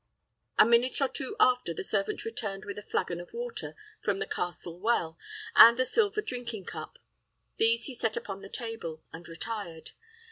A minute or two after, the servant returned with a flagon of water from the castle well, and a silver drinking cup. These he set upon the table, and retired.